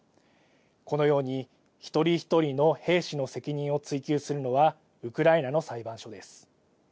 このように、一人一人の兵士の責任を追及するのはウクライナの裁判所です。